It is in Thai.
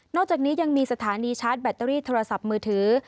อกจากนี้ยังมีสถานีชาร์จแบตเตอรี่โทรศัพท์มือถือ